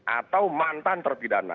atau mantan terpidana